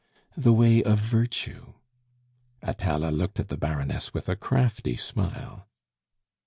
"The way of virtue." Atala looked at the Baroness with a crafty smile.